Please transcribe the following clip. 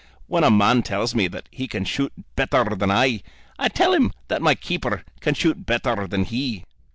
When a man tells me that he can shoot better than I, I tell him that my keeper can shoot better than he."